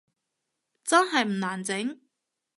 真係唔難整？